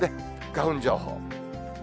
花粉情報。